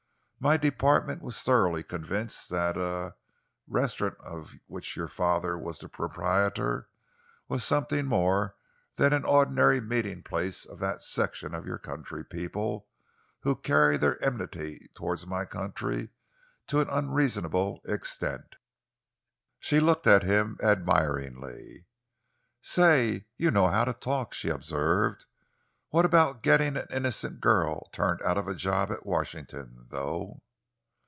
My department was thoroughly convinced that the er restaurant of which your father was the proprietor was something more than the ordinary meeting place of that section of your country people who carried their enmity towards my country to an unreasonable extent." She looked at him admiringly. "Say, you know how to talk!" she observed. "What about getting an innocent girl turned out of a job at Washington, though?"